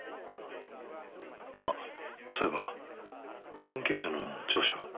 あっそういえば関係者の聴取は？